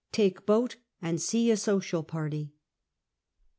TAKE BOAT AND SEE A SOCIAL PARTY.